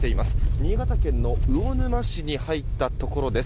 新潟県の魚沼市に入ったところです。